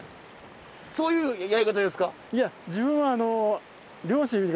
そういうやり方ですか？